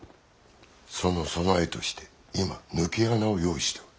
その備えとして今抜け穴を用意しておる。